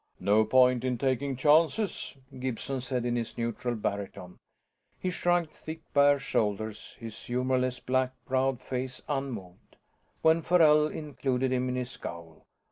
"No point in taking chances," Gibson said in his neutral baritone. He shrugged thick bare shoulders, his humorless black browed face unmoved, when Farrell included him in his scowl.